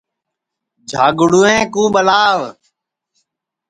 جھاگڑوویں کُو ٻلاؤ